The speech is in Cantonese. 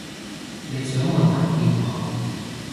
你想問候邊個